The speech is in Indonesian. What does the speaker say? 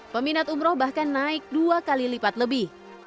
peminat umroh bahkan naik dua kali lipat lebih